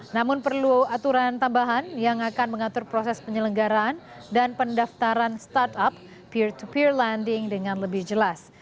namun perlu aturan tambahan yang akan mengatur proses penyelenggaraan dan pendaftaran startup peer to peer lending dengan lebih jelas